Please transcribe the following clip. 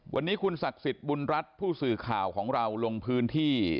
วันนี้คุณศักดิ์สิทธิ์บุญรัฐผู้สื่อข่าวของเราลงพื้นที่